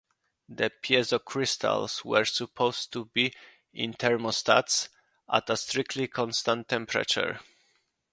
The piezocrystals were supposed to be in thermostats at a strictly constant temperature.